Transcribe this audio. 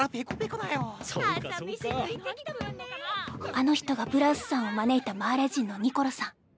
あの人がブラウスさんを招いたマーレ人のニコロさん。